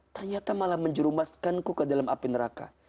ternyata malah menjerumaskanku ke dalam api neraka